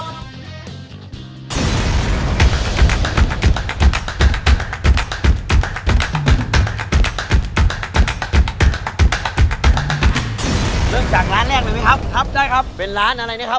เรื่องจากร้านแรกหน่อยมั้ยครับ